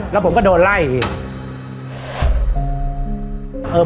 แล้วผมก็โดยไล่